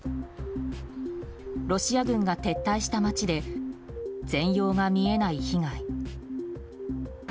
ロシア軍が撤退した街で全容が見えない被害。